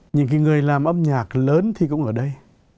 những người làm âm nhạc lớn thì cũng ở đây